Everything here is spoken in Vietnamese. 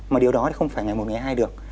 mà điều đó thì không phải ngày một ngày hai được